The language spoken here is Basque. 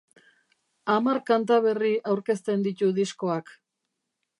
Hamar kanta berri aurkezten ditu diskoak.